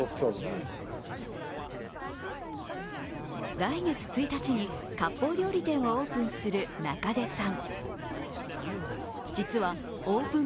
来月１日にかっぽう料理店をオープンする中出さん。